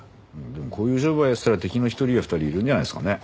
でもこういう商売やってたら敵の１人や２人いるんじゃないですかね？